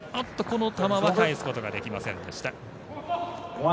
おっと、この球は返すことができませんでした。